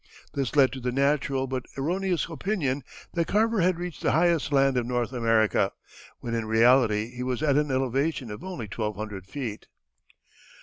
This led to the natural but erroneous opinion that Carver had reached the highest land of North America, when in reality he was at an elevation of only twelve hundred feet.